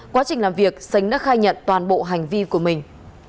quá trình làm việc sánh đã khai nhận toàn bộ hành vi của mình